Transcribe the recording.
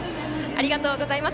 ありがとうございます。